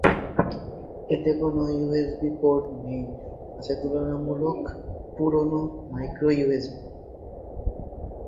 এতে কোন USB C port নেই, আছে তুলনামূলক পুরোনো মাইক্রোইউএসবি।